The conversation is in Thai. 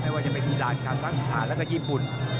หลายวันจะเป็นอีรานคาซัคสิตานและกับญี่ปุ่น